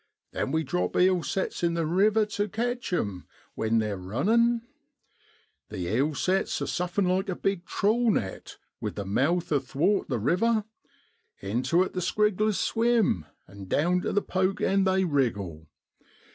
Then we drop eel sets in the river tu catch 'em when they're MAY IN BROADLAND. 51 runnin I The eel sets are suffin like a big trawl net, with the mouth athwart the river; into it the scrigglers swim, and down tu the poke end they wriggle.